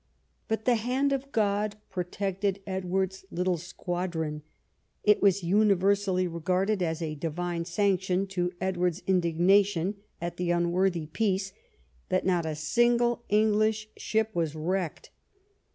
But the hand of God protected Edward's little squadron. It was universally regarded as a divine sanction to Edward's in dignation at the unworthy peace that not a single English ship was wrecked.